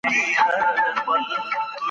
زموږ کلتور د پښتو په رڼا کې روښانه کیږي.